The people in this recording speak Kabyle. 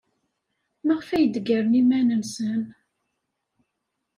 Maɣef ay d-ggaren iman-nsen?